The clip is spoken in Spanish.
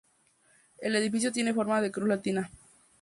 El edificio tiene forma de cruz latina.